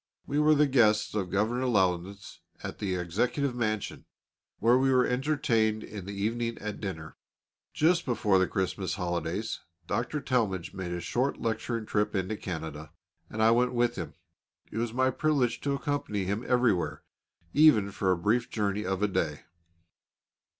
We were the guests of Governor Lowndes at the executive mansion, where we were entertained in the evening at dinner. Just before the Christmas holidays, Dr. Talmage made a short lecturing trip into Canada, and I went with him; it was my privilege to accompany him everywhere, even for a brief journey of a day.